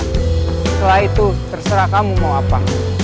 setelah itu terserah kamu mau apa